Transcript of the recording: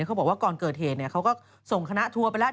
เค้าบอกว่าก่อนเกิดเหตุเค้าก็ส่งคณะทัวร์ไปเราะ